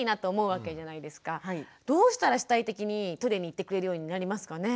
どうしたら主体的にトイレに行ってくれるようになりますかね？